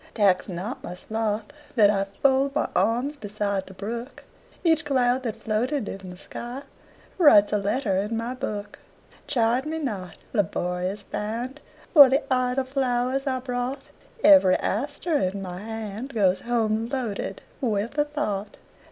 Tax not my sloth that IFold my arms beside the brook; Each cloud that floated in the skyWrites a letter in my book. Chide me not, laborious band, For the idle flowers I brought; Every aster in my handGoes home loaded with a thought.